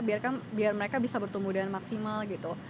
biarkan biar mereka bisa bertumbuhan maksimal gitu